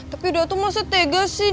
tapi datu masih tegas sih